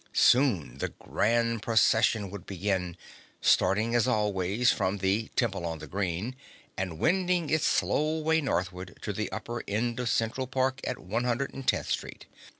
Soon the Grand Procession would begin, starting as always from the Temple on the Green and wending its slow way northward to the upper end of Central Park at 110th Street.